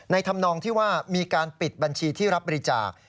ธรรมนองที่ว่ามีการปิดบัญชีที่รับบริจาค